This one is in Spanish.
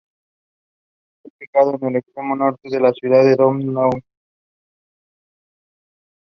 Está ubicado en el extremo norte de la ciudad, en el Don Mueang.